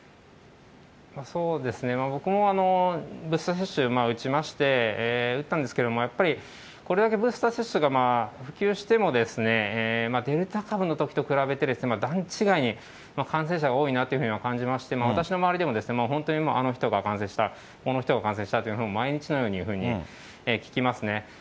そうですね、僕も、ブースター接種打ちまして、打ったんですけれども、やっぱりこれだけブースター接種が普及しても、デルタ株のときと比べて段違いに感染者が多いなというふうに感じまして、私の周りでも本当にあの人が感染した、この人が感染したっていうふうに毎日のように聞きますね。